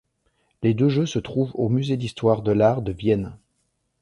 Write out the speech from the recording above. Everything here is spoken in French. Les deux jeux se trouvent au Musée d'histoire de l'art de Vienne.